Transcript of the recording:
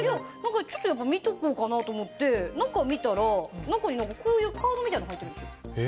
ちょっとやっぱ見とこうかなと思って中見たら中にこういうカードみたいなの入ってるんですよ。